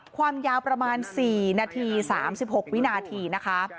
ความยาวประมาณ๔นาที๓๖วินาทีนะคะ